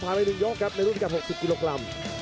ผ่านไปหนึ่งย้องครับในรุ่นขับ๖๐กิโลกรัม